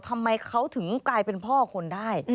ทำไมเขาถึงกลายเป็นพ่อคนได้